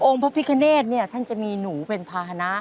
องค์พระพิกาเนตเนี่ยท่านจะมีหนูเป็นพาหนะ